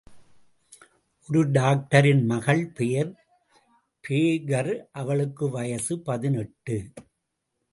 ஒரு டாக்டரின் மகள் பெயர் பேஹர் அவளுக்கு வயது பதினெட்டு!